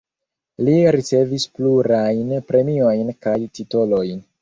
Li ricevis plurajn premiojn kaj titolojn.